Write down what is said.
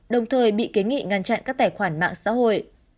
đồng thời bị kiến nghị ngăn chặn các tài khoản mạng xã hội